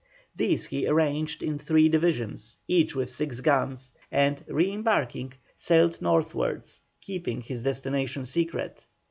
These he arranged in three divisions, each with six guns, and re embarking, sailed northwards, keeping his destination secret.